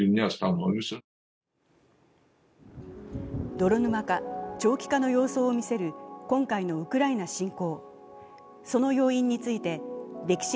泥沼化、長期化の様相を見せる今回のウクライナ侵攻。